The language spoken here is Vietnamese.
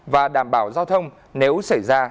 và đảm bảo giao thông nếu xảy ra